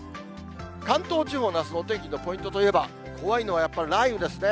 関東地方のあすのお天気のポイントといえば、怖いのはやっぱり雷雨ですね。